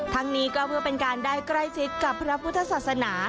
ทั้งนี้ก็เพื่อเป็นการได้ใกล้ชิดกับพระพุทธศาสนา